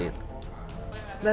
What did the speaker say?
nandang astika badung bali